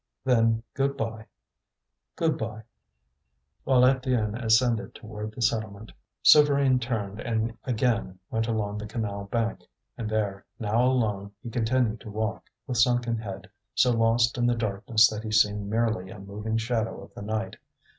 "Then good bye." "Good bye." While Étienne ascended toward the settlement, Souvarine turned and again went along the canal bank; and there, now alone, he continued to walk, with sunken head, so lost in the darkness that he seemed merely a moving shadow of the night.